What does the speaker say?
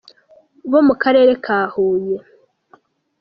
bo mu Karere ka Huye